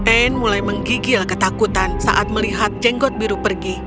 anne mulai menggigil ketakutan saat melihat jenggot biru pergi